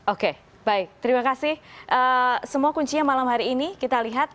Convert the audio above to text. oke baik terima kasih semua kuncinya malam hari ini kita lihat